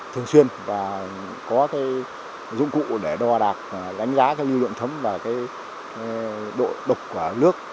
thường xuyên và có cái dụng cụ để đo đạt đánh giá cái lưu lượng thấm và cái độ độc của nước